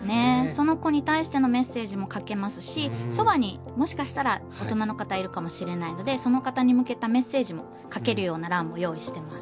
その子に対してのメッセージも書けますしそばにもしかしたら大人の方いるかもしれないのでその方に向けたメッセージも書けるような欄も用意してます。